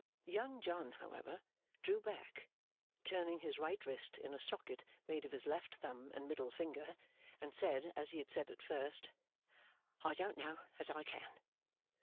Young John, however, drew back, turning his right wrist in a socket made of his left thumb and middle finger and said as he had said at first, 'I don't know as I can.